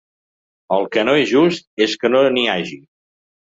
El que no és just és que no n’hi hagi.